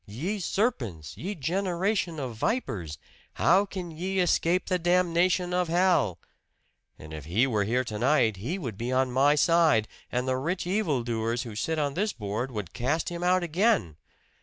Ye serpents, ye generation of vipers, how can ye escape the damnation of hell?' And if He were here tonight He would be on my side and the rich evil doers who sit on this board would cast Him out again!